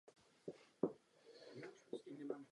Řekli ano.